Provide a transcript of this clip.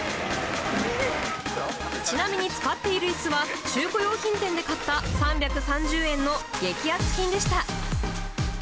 ちなみに使っているいすは、中古用品店で買った３３０円の激安品でした。